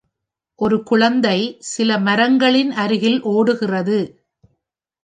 ஒரு குழந்தை சில மரங்களின் அருகில் ஓடுகிறது.